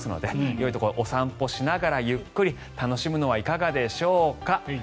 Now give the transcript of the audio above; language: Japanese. よいところお散歩しながらゆっくり楽しむのはいかがでしょうか。